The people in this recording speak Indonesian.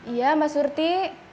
iya mbak surti